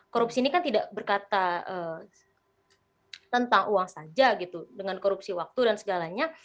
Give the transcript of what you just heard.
korupsi ini kan tidak berkata tentang uang saja gitu dengan korupsi waktu dan segalanya